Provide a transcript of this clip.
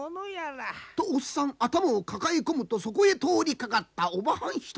とおっさん頭を抱え込むとそこへ通りかかったおばはん一人。